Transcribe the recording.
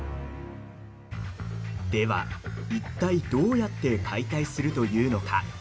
では、いったいどうやって解体するというのか。